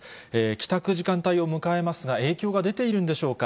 帰宅時間帯を迎えますが、影響が出ているんでしょうか。